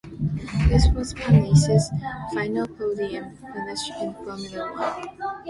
This was Panis's final podium finish in Formula One.